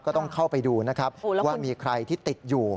ก็ต้องเข้าไปดูนะครับว่ามีใครที่ติดอยู่